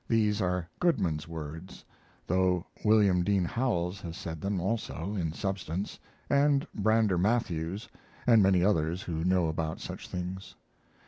These are Goodman's words, though William Dean Howells has said them, also, in substance, and Brander Matthews, and many others who know about such things.